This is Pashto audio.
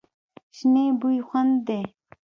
شنې بوی خوند دی.